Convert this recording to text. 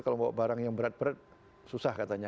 kalau bawa barang yang berat berat susah katanya